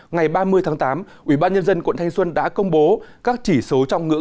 ngày ba mươi tháng tám ủy ban nhân dân quận thanh xuân đã công bố các chỉ số trong ngữ